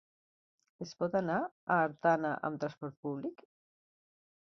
Es pot anar a Artana amb transport públic?